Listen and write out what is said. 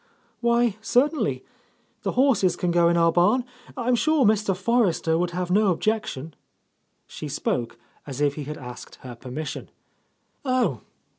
"Why, certainly. The horses can go in our barn. I'm sure Mr. Forrester would have no objection." She spoke as if he had asked her permission. "Oh!"